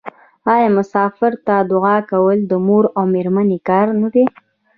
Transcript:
آیا مسافر ته دعا کول د مور او میرمنې کار نه دی؟